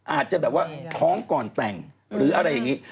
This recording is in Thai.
อาจจะแบบว่าท้องก่อนแต่งหรืออะไรอย่างนี้